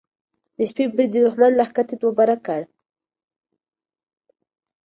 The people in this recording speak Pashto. د شپې برید د دښمن لښکر تیت و پرک کړ.